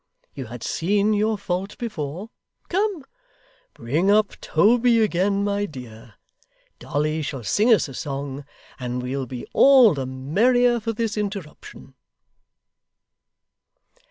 You had seen your fault before. Come! Bring up Toby again, my dear; Dolly shall sing us a song; and we'll be all the merrier for this interruption!